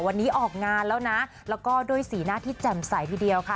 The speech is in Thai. วันนี้ออกงานแล้วนะแล้วก็ด้วยสีหน้าที่แจ่มใสทีเดียวค่ะ